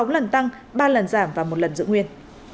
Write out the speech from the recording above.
sáu lần tăng ba lần giảm và một lần giữ nguyên